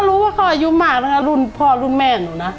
รุ่นพ่อรุ่นแม่หนูนะ